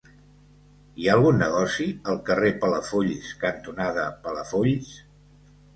Hi ha algun negoci al carrer Palafolls cantonada Palafolls?